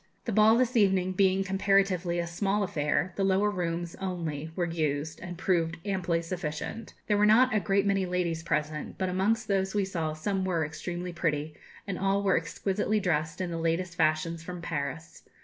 The ball this evening being comparatively a small affair, the lower rooms only were used, and proved amply sufficient. There were not a great many ladies present, but amongst those we saw some were extremely pretty, and all were exquisitely dressed in the latest fashions from Paris.